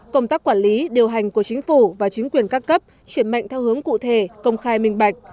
công tác quản lý điều hành của chính phủ và chính quyền các cấp chuyển mạnh theo hướng cụ thể công khai minh bạch